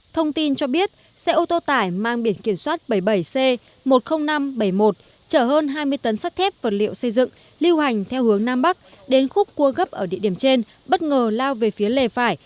thông tin cho biết xe ô tô tải mang biển kiểm soát bảy mươi bảy c một mươi nghìn năm trăm bảy mươi một chở hơn hai mươi tấn sắt thép vật liệu xây dựng lưu hành theo hướng nam bắc đến khúc cua gấp ở địa điểm trên bất ngờ lao về phía lề phải